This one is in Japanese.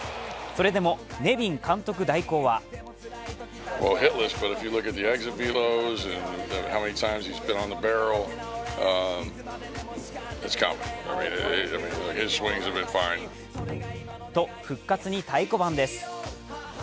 それでもネビン監督代行はと復活に太鼓判です。